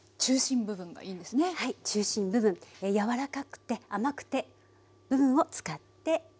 中心部分柔らかくて甘くて部分を使っていきます。